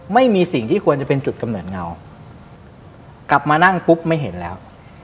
ไม่มีสิ่งที่ควรจะเป็นจุดกำเนิดเงากลับมานั่งปุ๊บไม่เห็นแล้ว